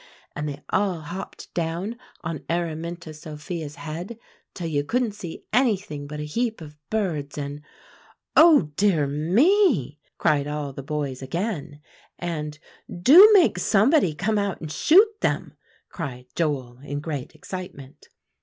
and they all hopped down on Araminta Sophia's head, till you couldn't see anything but a heap of birds, and" "Oh, dear me!" cried all the boys again, and, "Do make somebody come out and shoot them," cried Joel in great excitement.